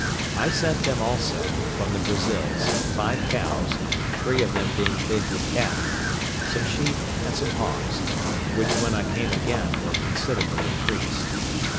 I sent them, also, from the Brazils, five cows, three of them being big with calf, some sheep, and some hogs, which when I came again were considerably increased.